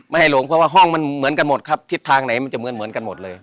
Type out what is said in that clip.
ให้ลงเพราะว่าห้องมันเหมือนกันหมดครับทิศทางไหนมันจะเหมือนกันหมดเลย